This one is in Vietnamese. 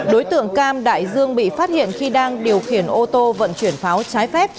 đối tượng cam đại dương bị phát hiện khi đang điều khiển ô tô vận chuyển pháo trái phép